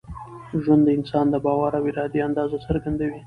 ژوند د انسان د باور او ارادې اندازه څرګندوي.